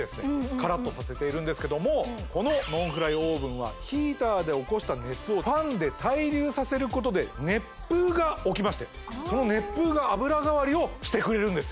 カラッとさせているんですけどもこのノンフライオーブンはヒーターで起こした熱をファンで対流させることで熱風が起きましてその熱風が油代わりをしてくれるんですよ